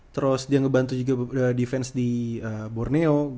terus dia ngebantu juga defense di borneo